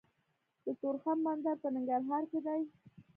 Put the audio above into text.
د تورخم بندر په ننګرهار کې دی